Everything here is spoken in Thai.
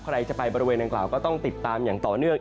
ใครจะไปบริเวณนางกล่าวก็ต้องติดตามอย่างต่อเนื่อง